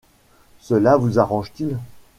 Cela vous arrange-t-il ?